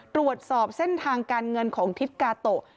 ตรวจสอบเส้นทางการเงินของทิศกาโตะ